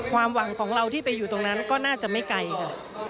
ความหวังของเราที่ไปอยู่ตรงนั้นก็น่าจะไม่ไกลค่ะ